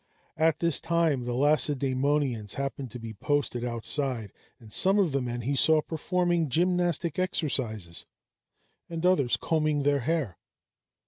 At this time the Lacedæmonians happened to be posted outside; and some of the men he saw performing gymnastic exercises, and others combing their hair.